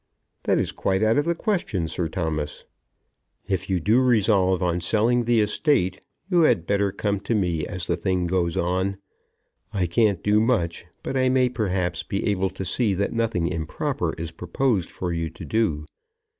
"That is quite out of the question, Sir Thomas." "If you do resolve on selling the estate, you had better come to me as the thing goes on. I can't do much, but I may perhaps be able to see that nothing improper is proposed for you to do.